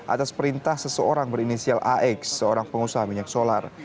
atas perintah seseorang berinisial ax seorang pengusaha minyak solar